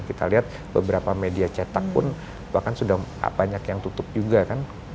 kita lihat beberapa media cetak pun bahkan sudah banyak yang tutup juga kan